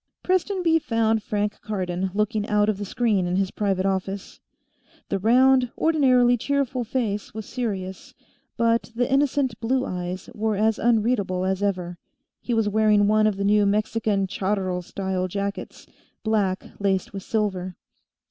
Prestonby found Frank Cardon looking out of the screen in his private office. The round, ordinarily cheerful, face was serious, but the innocent blue eyes were as unreadable as ever. He was wearing one of the new Mexican charro style jackets, black laced with silver.